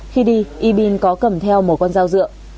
khi đi yibin có cầm theo một con dao rượu